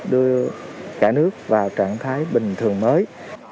đưa cả nước vào trạng thái bình thường mới